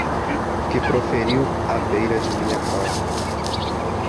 que proferiu à beira de minha cova